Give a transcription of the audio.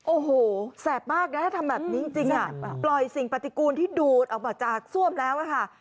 โอ้โหแสบมากนะถ้าทำแบบนี้จริงปล่อยสิ่งปฏิกูลที่ดูดออกมาจากซ่วมแล้วค่ะ